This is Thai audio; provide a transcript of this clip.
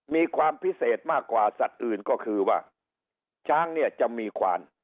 มีความพิเศษมากกว่าสัตว์อื่นก็คือว่าช้างเนี่ยจะมีควาน